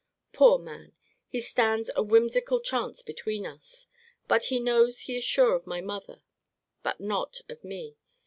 Poor man! He stands a whimsical chance between us. But he knows he is sure of my mother; but not of me.